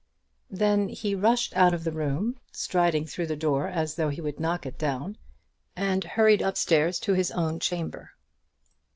Then he rushed out of the room, striding through the door as though he would knock it down, and hurried up stairs to his own chamber.